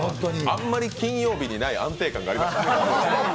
あまり金曜日にない安定感がありました。